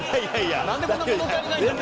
なんでこんな物足りないんだろ？